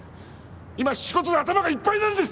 今仕事で頭がいっぱいなんです！